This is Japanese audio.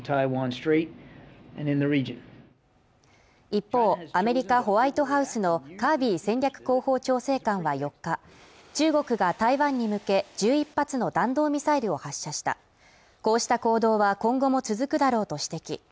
一方アメリカホワイトハウスのカービー戦略広報調整官は４日中国が台湾に向け１１発の弾道ミサイルを発射したこうした行動は今後も続くだろうと指摘